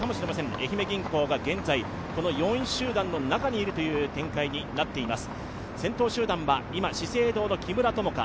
愛媛銀行が現在４位集団の中にいるという展開になっています。